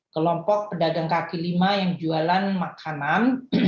kelompok pedagang kaki lima yang jualan makanan